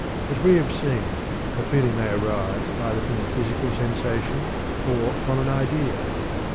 As we have seen, a feeling may arise either from a physical sensation or from an idea.